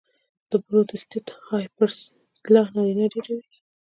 د پروسټیټ هایپرپلاسیا نارینه ډېروي.